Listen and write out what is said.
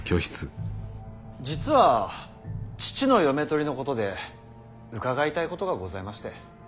実は父の嫁取りのことで伺いたいことがございまして。